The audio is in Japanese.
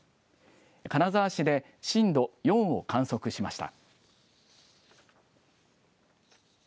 金沢市で震度４を観測しました。